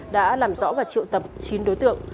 đã làm rõ và triệu tập chín đối tượng